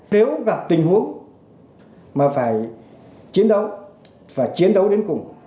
nếu gặp tình huống mà phải chiến đấu và chiến đấu đến cùng